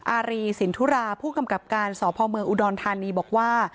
อารีสินทุราผู้กำกับการสพเมืองอุดรธานีบอกว่า